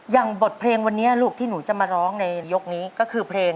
บทเพลงวันนี้ลูกที่หนูจะมาร้องในยกนี้ก็คือเพลง